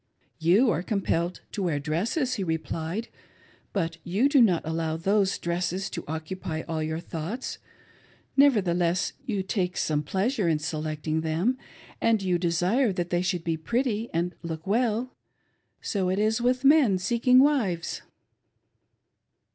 '* You are compelled to wear dresses," he replied, " but you do not allow those dresses to occupy all your thoughts. Nevertheless, you take some pleas'* ure in selecting them, and you desire that they should be pretty and look well. . So it is with men seeking wives."